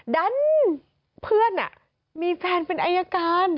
ดันเพื่อนมีแฟนเป็นอายการ